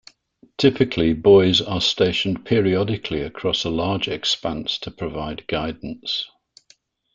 Typically, buoys are stationed periodically across a large expanse to provide guidance.